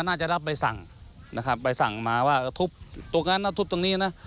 น่าจะรับใบสั่งนะครับใบสั่งมาว่าทุบตรงนั้นนะทุบตรงนี้นะ